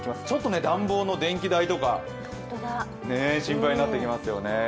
ちょっと暖房の電気代とか心配になってきますよね。